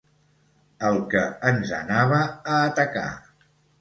El que ens anava a atacar.